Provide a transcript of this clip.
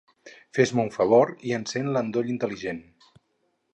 Fes-me un favor i encén l'endoll intel·ligent.